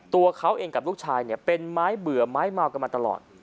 ตัวเขาเองกับลูกชายเป็นไม้เบื่อไม้เมากันมาตลอด